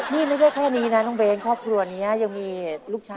นี่ไม่ได้แค่นี้นะน้องเบ้นครอบครัวนี้ยังมีลูกชาย